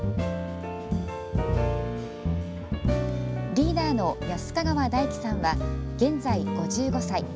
リーダーの安ヵ川大樹さんは現在、５５歳。